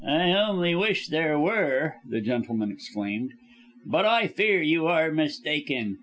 "I only wish there were," the gentleman exclaimed, "but I fear you are mistaken.